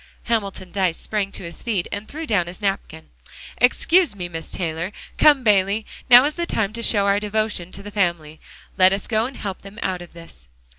Hamilton Dyce sprang to his feet and threw down his napkin. "Excuse me, Miss Taylor. Come, Bayley, now is the time to show our devotion to the family. Let us go and help them out of this."